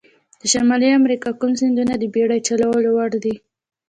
د شمالي امریکا کوم سیندونه د بېړۍ چلولو وړ دي؟